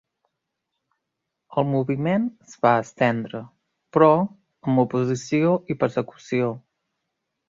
El moviment es va estendre, però, amb oposició i persecució.